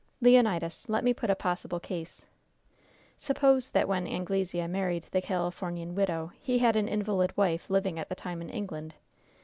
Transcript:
"Leonidas, let me put a possible case. Suppose that when Anglesea married the Californian widow he had an invalid wife living at the time in England.